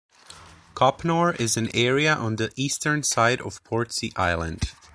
Copnor is an area on the eastern side of Portsea Island.